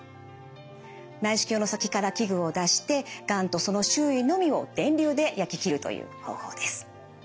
内視鏡の先から器具を出してがんとその周囲のみを電流で焼き切るという方法です。